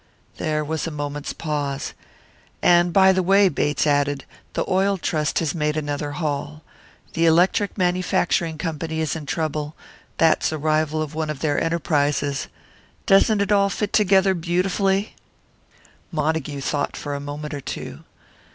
There was a moment's pause. "And by the way," Bates added, "the Oil Trust has made another haul! The Electric Manufacturing Company is in trouble that's a rival of one of their enterprises! Doesn't it all fit together beautifully?" Montague thought for a moment or two.